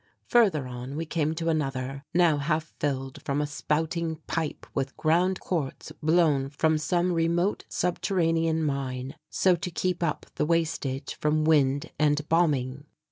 Further on we came to another, now half filled from a spouting pipe with ground quartz blown from some remote subterranean mine, so to keep up the wastage from wind and bombing.